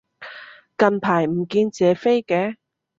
近排唔見謝飛嘅